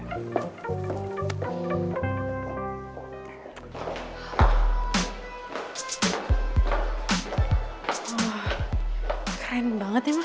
wah keren banget nih mah